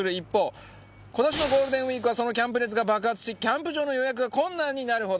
今年のゴールデンウィークはそのキャンプ熱が爆発しキャンプ場の予約が困難になるほど。